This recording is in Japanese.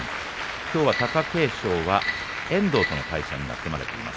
きょうは貴景勝は遠藤との対戦が組まれています。